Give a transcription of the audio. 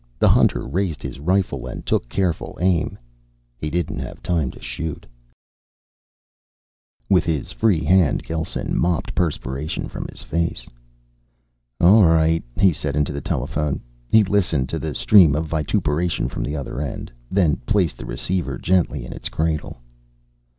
The hunter raised his rifle, and took careful aim. He didn't have time to shoot. With his free hand, Gelsen mopped perspiration from his face. "All right," he said into the telephone. He listened to the stream of vituperation from the other end, then placed the receiver gently in its cradle.